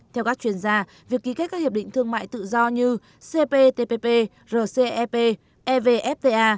theo các chuyên gia việc ký kết các hiệp định thương mại tự do như cptpp rcep evfta